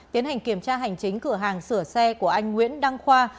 tiến hành kiểm tra hành chính cửa hàng sửa xe của anh nguyễn đăng khoa